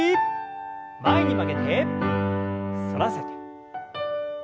前に曲げて反らせて。